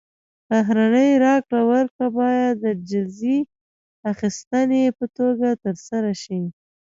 بهرنۍ راکړه ورکړه باید د جزیې اخیستنې په توګه ترسره شي.